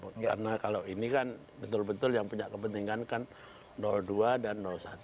karena kalau ini kan betul betul yang punya kepentingan kan dua dan satu